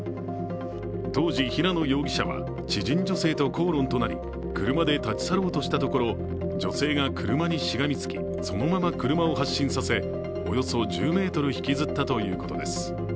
当時、平野容疑者は知人女性と口論となり車で立ち去ろうとしたところ女性が車にしがみつき、そのまま車を発進させ、およそ１０ｍ引きずったということです。